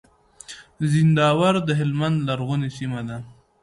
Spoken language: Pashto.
زينداور د هلمند لرغونې سيمه ده.